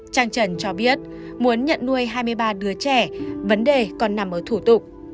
trang trần cho biết muốn nhận nuôi hai mươi ba đứa trẻ vấn đề còn nằm ở thủ tục